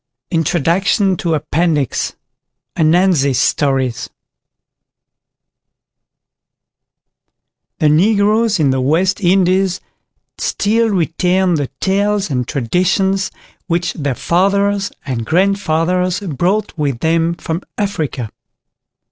INTRODUCTION TO APPENDIX ANANZI STORIES The Negroes in the West Indies still retain the tales and traditions which their fathers and grandfathers brought with them from Africa.